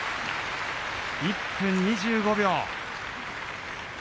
１分２５秒。